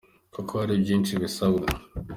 kuko hari byinshi bisabwa.